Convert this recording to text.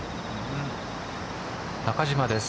中島です